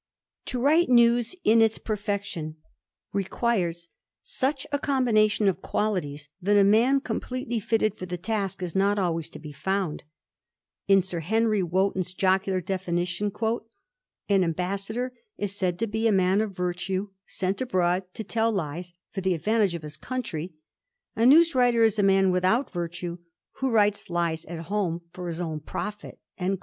To write news in its perfection requires such a combination of quahties, that a man completely fitted for the task is not always to be found In Sir Henry Wotton's jocular definition, " An ambassador is said to be a man of virtue sent abroad to tell lies for the advantage of his country ; a news writer is a man without virtue, who writes lies at home for his own profit."